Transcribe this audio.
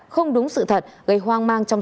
không đúng sự thật gây hoang mang